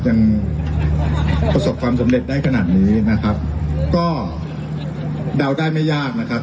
ยังประสบความสำเร็จได้ขนาดนี้นะครับก็เดาได้ไม่ยากนะครับ